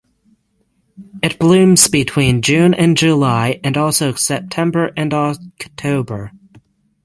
It blooms between June and July and also September and October.